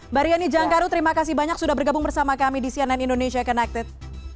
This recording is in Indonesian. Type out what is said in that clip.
mbak riani jangkaru terima kasih banyak sudah bergabung bersama kami di cnn indonesia connected